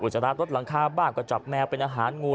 จราจรลดหลังคาบ้างก็จับแมวเป็นอาหารงู